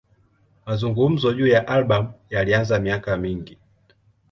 Mazungumzo juu ya albamu yalianza miaka mingi.